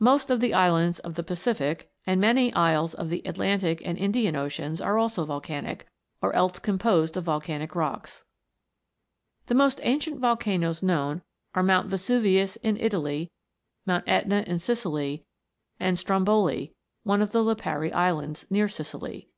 Most of the islands of the Pacific, and many isles of the Atlantic and Indian Oceans, are also volcanic, or else composed of volcanic rocks. The most ancient volcanoes known are Mount Vesuvius in Italy, Mount JEtna in Sicily, and Stromboli, one of the Lipari Islands, near Sicily.